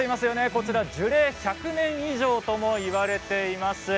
こちら樹齢１００年以上ともいわれています。